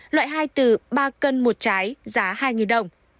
loại hai từ ba cân một trái giá hai đồng